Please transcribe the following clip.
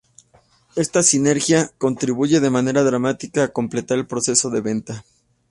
Esta sinergia contribuye de manera dramática a completar el proceso de venta.